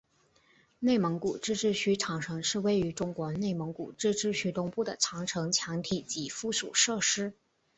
内蒙古自治区长城是位于中国内蒙古自治区东部的长城墙体及附属设施。